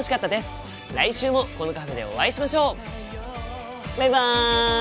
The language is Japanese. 来週もこのカフェでお会いしましょう！